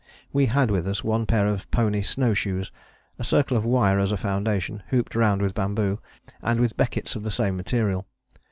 We had with us one pair of pony snow shoes, a circle of wire as a foundation, hooped round with bamboo, and with beckets of the same material.